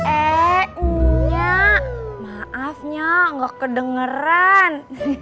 ehnya maafnya nggak kedengeran